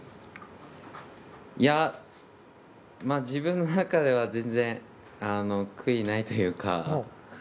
いや、まあ自分の中では全然悔いはないというか。